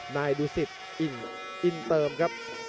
นายดูสิตอินเติมครับ